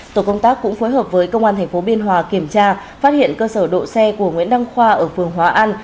tổ công tác cũng phối hợp với công an tp biên hòa kiểm tra phát hiện cơ sở độ xe của nguyễn đăng khoa ở phường hóa an